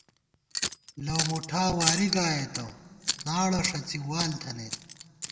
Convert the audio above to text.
لَؤ مُٹھا وارِی گایئېتہ، ناڑہ ݭڅی وال تھنَئیت